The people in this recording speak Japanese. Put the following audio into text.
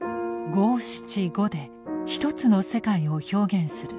「五七五」で一つの世界を表現する俳句。